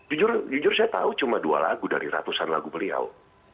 jujur saya tahu cuma dua lagu dari ratusan lagu beliau